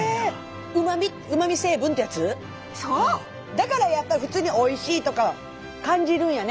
だからやっぱり普通においしいとか感じるんやね。